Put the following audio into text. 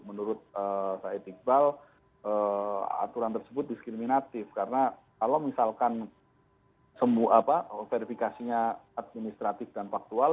menurut said iqbal aturan tersebut diskriminatif karena kalau misalkan verifikasinya administratif dan faktual